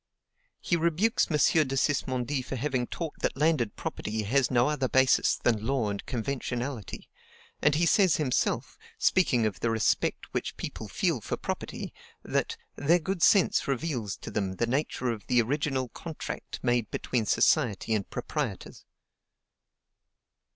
He rebukes M. de Sismondi for having taught that landed property has no other basis than law and conventionality; and he says himself, speaking of the respect which people feel for property, that "their good sense reveals to them the nature of the ORIGINAL CONTRACT made between society and proprietors."